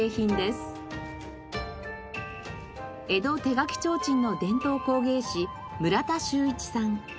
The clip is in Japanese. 江戸手描提灯の伝統工芸士村田修一さん。